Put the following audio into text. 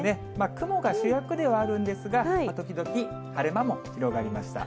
雲が主役ではあるんですが、時々晴れ間も広がりました。